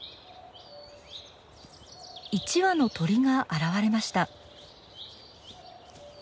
１羽の鳥が現れました。